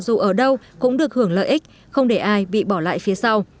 dù ở đâu cũng được hưởng lợi ích không để ai bị bỏ lại phía sau